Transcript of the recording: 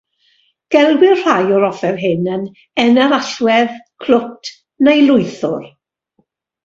Gelwir rhai o'r offer hyn yn enerallwedd, clwt, neu lwythwr.